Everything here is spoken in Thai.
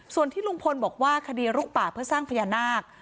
ส่วนที่ลุงพลบอกว่าคดีลุกป่าเพื่อสร้างพญานาค